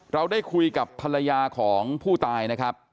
เราได้คุยกับภรรยาของผู้ตายนะครับ